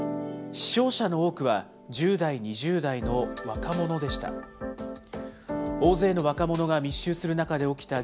死傷者の多くは１０代、２０代の若者でした。